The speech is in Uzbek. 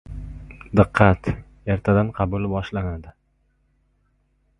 Diqqat: ertadan qabul boshlanadi!